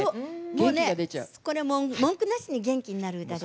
もうねこれ文句なしに元気になる歌です。